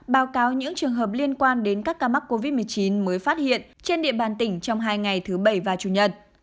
báo cáo những trường hợp liên quan đến các ca mắc covid một mươi chín mới phát hiện trên địa bàn tỉnh trong hai ngày thứ bảy và chủ nhật